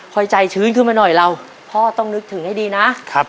เดี๋ยวเราพ่อต้องนึกถึงให้ดีนะ